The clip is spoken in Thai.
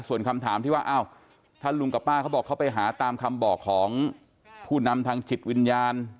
ส่วนคำถามที่ว่าอ้าวถ้าลุงกับป้าเขาบอกเขาไปหาตามคำบอกของผู้นำทางจิตวิญญาณ